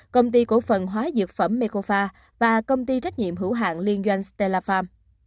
công ty cổ phần hóa dược phẩm mekofa và công ty trách nhiệm hữu hạng liên doanh stella farm